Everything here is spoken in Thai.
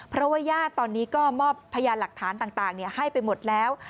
เพราะว่าญาติตอนนี้ก็มอบพยานหลักฐานต่างให้ไปหมดแล้ว